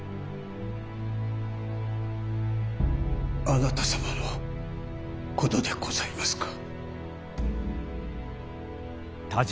あなた様の事でございますか？